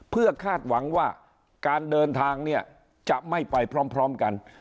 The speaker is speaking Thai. เพื่อคาดหวังว่าการเดินทางเนี่ยจะไม่ไปพร้อมกัน